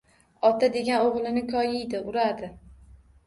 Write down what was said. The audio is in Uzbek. Ota degan o‘g‘lini koyiydi, uradi